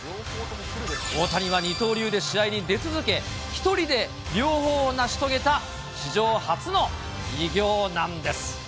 大谷は二刀流で試合に出続け、１人で両方を成し遂げた史上初の偉業なんです。